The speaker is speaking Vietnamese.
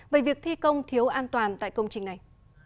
về việc thi công thiếu an toàn tại công trình này